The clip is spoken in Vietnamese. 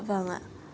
dạ vâng ạ